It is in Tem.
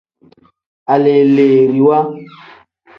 Aleleeriwa.